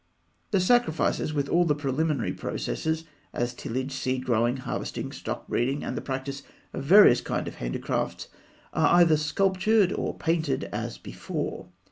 The sacrifices, with all the preliminary processes, as tillage, seed growing, harvesting, stock breeding, and the practice of various kinds of handicraft, are either sculptured or painted, as before.